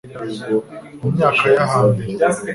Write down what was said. mu myaka ya hambere